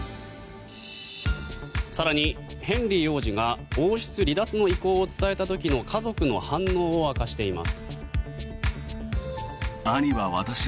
更にヘンリー王子が王室離脱の意向を伝えた時の家族の反応を明かしています。